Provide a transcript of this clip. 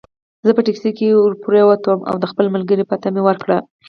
زه په ټکسي کې ورپورته شوم او د خپل ملګري پته مې ورکړه.